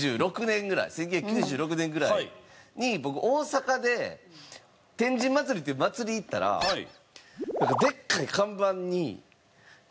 １９９６年ぐらいに僕大阪で天神祭っていう祭り行ったらなんかでっかい看板に「怪奇！